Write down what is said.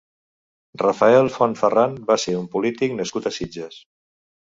Rafael Font Farran va ser un polític nascut a Sitges.